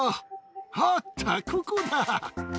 あった、ここだ。